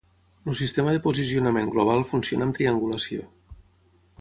El sistema de posicionament global funciona amb triangulació.